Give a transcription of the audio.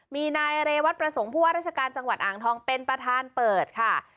มีนายเรวัตประสงค์ผู้ว่าราชการจังหวัดอ่างทองเป็นประธานเปิดค่ะ